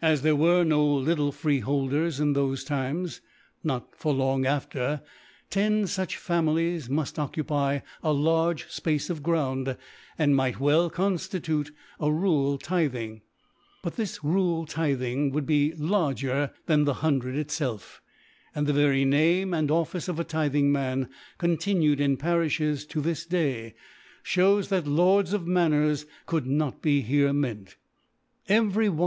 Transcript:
As there were no little FreehcWers in * thoTe Times, nor for long itfter^ ten TutR ^Fa * milies muft occupy a large Spaee ^of Grpuikt, * andmygbt weBconAitliteafuiralThhing/' But this rural Tithing would be larger than the Hun •dred itlelf ; and the very Name and Office of a Tifhingmian continued in Pariflies to this Day, flicws. that Lords of Manors could not be here meanf.